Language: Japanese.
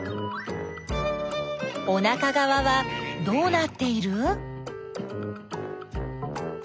おなかがわはどうなっている？